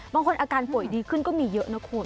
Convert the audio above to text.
บางคนอาการป่วยดีขึ้นก็มีเยอะนะคุณ